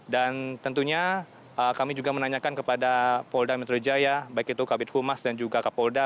dan tentunya kami juga menanyakan kepada polda metro jaya baik itu kabupaten humas dan juga kabupaten polda